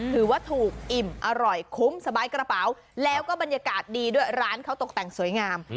ถือว่าถูกอิ่มอร่อยคุ้มสบายกระเป๋าแล้วก็บรรยากาศดีด้วยร้านเขาตกแต่งสวยงาม